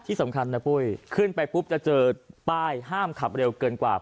ที่สำคัญนะปุ้ยขึ้นไปปุ๊บจะเจอป้ายห้ามขับเร็วเกินกว่า